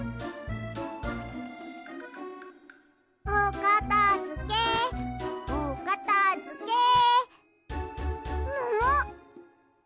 おかたづけおかたづけ。ももっ！？